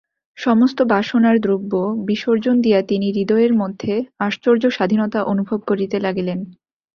সমস্ত বাসনার দ্রব্য বিসর্জন দিয়া তিনি হৃদয়ের মধ্যে আশ্চর্য স্বাধীনতা অনুভব করিতে লাগিলেন।